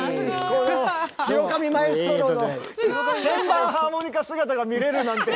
広上マエストロの鍵盤ハーモニカ姿が見れるなんて！